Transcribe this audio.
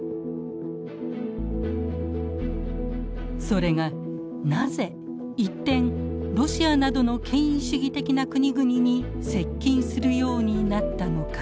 それがなぜ一転ロシアなどの権威主義的な国々に接近するようになったのか。